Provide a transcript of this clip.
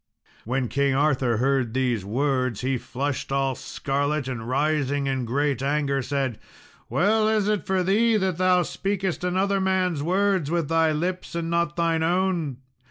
When King Arthur heard these words he flushed all scarlet, and rising in great anger said, "Well is it for thee that thou speakest another man's words with thy lips, and not thine own.